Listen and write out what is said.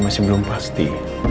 masih belum pasti